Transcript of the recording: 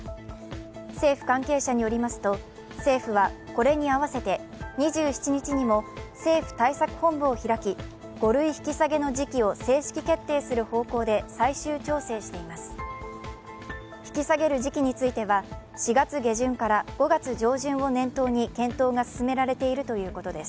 政府関係者によりますと、政府は、これに合わせて２７日にも政府対策本部を開き５類引き下げの時期を正式決定する方向で最終調整しています。